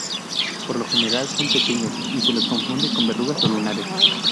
Por lo general son pequeños y se los confunde con verrugas o lunares.